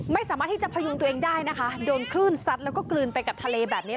ไม่สามารถที่จะพยุงตัวเองได้นะคะโดนคลื่นซัดแล้วก็กลืนไปกับทะเลแบบนี้